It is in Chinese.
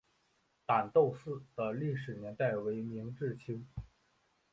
旦斗寺的历史年代为明至清。